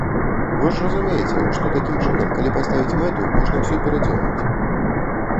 Вы ж разумееце, што такім чынам, калі паставіць мэту, можна ўсё перадзёрнуць.